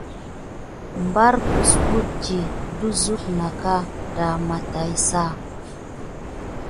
Mbar pay atondi de suk nà ka dema tät didaza.